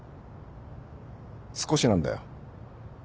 少しなんだよ。